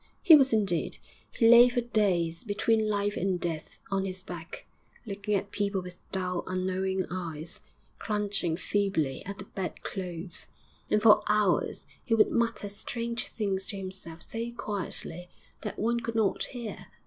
He was indeed; he lay for days, between life and death, on his back, looking at people with dull, unknowing eyes, clutching feebly at the bed clothes. And for hours he would mutter strange things to himself so quietly that one could not hear.